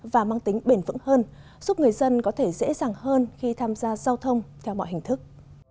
và mang tính bền vững hơn giúp người dân có thể dễ dàng hơn khi tham gia giao thông theo mọi hình thức